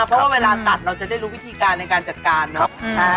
เพราะว่าเวลาตัดเราจะได้รู้วิธีการในการจัดการเนอะ